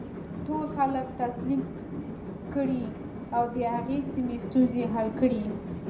ټول خلک تسلیم کړي او د هغې سیمې ستونزې حل کړي.